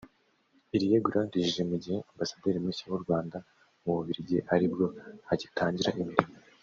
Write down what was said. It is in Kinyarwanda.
Iri yegura rije mu gihe ambasaderi mushya w’u Rwanda mu Bubiligi ari bwo agitangira imirimo